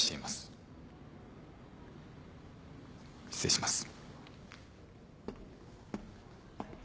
失礼します。